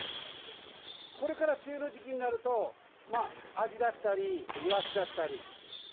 これから梅雨の時期になると、まあ、アジだったり、イワシだったり。